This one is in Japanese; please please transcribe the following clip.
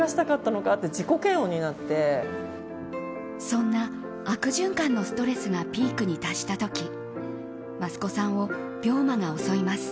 そんな悪循環のストレスがピークに達した時益子さんを病魔が襲います。